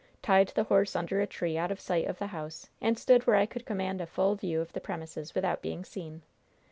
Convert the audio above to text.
Tied the horse under a tree out of sight of the house, and stood where I could command a full view of the premises without being seen.